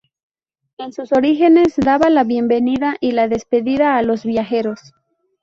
En sus orígenes, daba la bienvenida y la despedida a los viajeros.